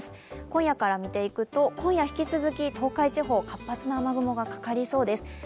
今夜から見ていくと、今夜引き続き東海地方、活発な雨雲がかかりそうです。